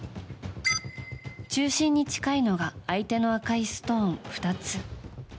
中心に近いのが相手の赤いストーン２つ。